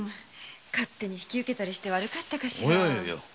勝手に引き受けたりして悪かったかしら？